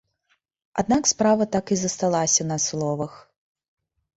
Аднак справа так і засталася на словах.